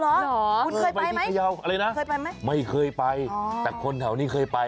อ๋อเหรอคุณเคยไปไหมอะไรนะไม่เคยไปแต่คนแถวนี้เคยไป